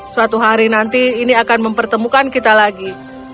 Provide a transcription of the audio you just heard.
suatu hari nanti ini akan mempertemukan kita lagi